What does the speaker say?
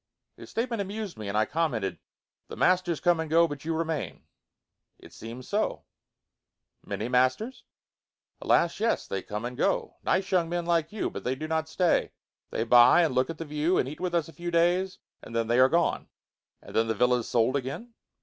His statement amused me, and I commented, "The masters come and go, but you remain?" "It seems so." "Many masters?" "Alas! yes. They come and go. Nice young men, like you, but they do not stay. They buy and look at the view, and eat with us a few days and then they are gone." "And then the villa is sold again?"